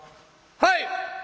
「はい！」。